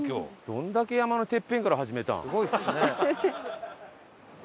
どんだけ山のてっぺんから始めたん？